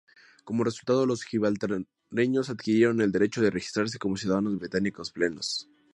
Como resultado, los gibraltareños adquirieron el derecho de registrarse como ciudadanos británicos plenos.